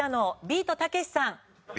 ビートたけしさん